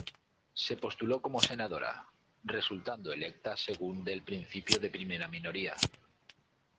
Se postuló como senadora, resultando electa según del principio de primera minoría.